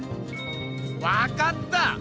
わかった！